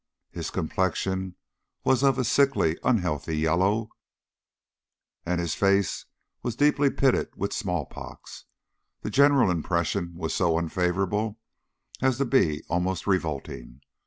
His complexion was of a sickly, unhealthy yellow, and as his face was deeply pitted with small pox, the general impression was so unfavourable as to be almost revolting.